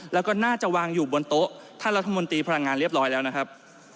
แล้วก็น่าจะวางอยู่บนโต๊ะท่านรัฐมนตรีพลังงานเรียบร้อยแล้วนะครับ